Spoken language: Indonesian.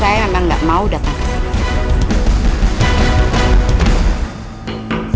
saya memang nggak mau datang ke sini